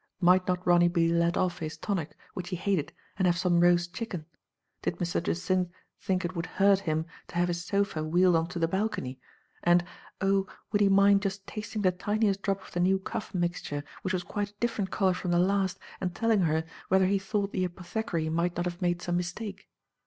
Might not Ronny be "let off" his tonic, which he hated, and have 3ome r6ast chicken? Did Mr. Jacynth think it would hurt him to have his sofa wheeled on to the balcony — and oh! Avould he mind just tasting the tiniest drop of the new cough mixture, which was quite a diflferent color from the last, and telling her whether he thought the apothecary might not have made some mistake?